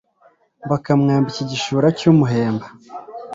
bakamwambika igishura cy'umuhemba